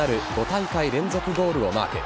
５大会連続ゴールをマーク。